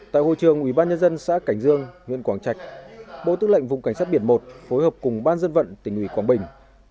tại hội trường ủy ban nhân dân xã cảnh dương huyện quảng trạch bộ tư lệnh vùng cảnh sát biển một phối hợp cùng ban dân vận tỉnh ủy quảng bình